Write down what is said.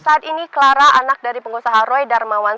saat ini clara anak dari pengusaha roy darmawan